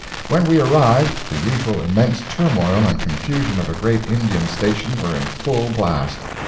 When we arrived, the usual immense turmoil and confusion of a great Indian station were in full blast.